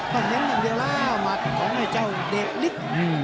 ต้องเน้นหนึ่งเดียวแล้วมัดของไอ้เจ้าเด็กลิสต์